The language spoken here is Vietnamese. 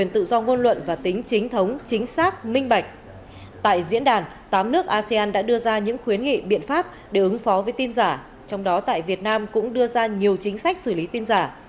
tại diễn đàn tám nước asean đã đưa ra những khuyến nghị biện pháp để ứng phó với tin giả trong đó tại việt nam cũng đưa ra nhiều chính sách xử lý tin giả